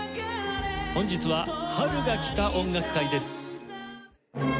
本日は。